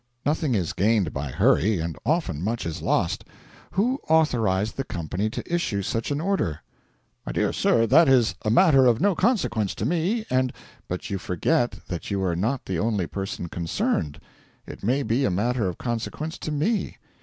'Nothing is gained by hurry, and often much is lost. Who authorised the company to issue such an order?' 'My dear sir, that is a matter of no consequence to me, and ' 'But you forget that you are not the only person concerned. It may be a matter of consequence to me.